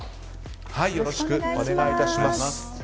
よろしくお願いします。